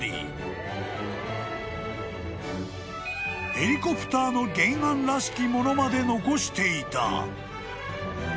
［ヘリコプターの原案らしきものまで残していた］